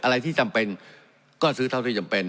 อะไรที่จำเป็นก็ซื้อเท่าที่จำเป็น